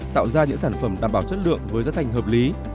tạo ra những sản phẩm đảm bảo chất lượng với giá thành hợp lý